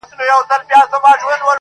یو څه نڅا یو څه خندا ته ورکړو!.